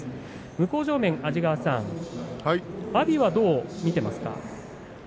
向正面の安治川さん阿炎はどう見てますか。